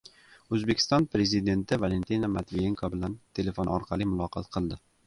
O‘zbekiston Prezidenti Valentina Matviyenko bilan telefon orqali muloqot qildi